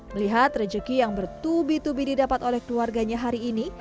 melihat rezeki yang bertubi tubi didapat oleh keluarganya hari ini